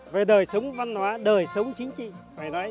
về đời sống văn hóa đời sống chính trị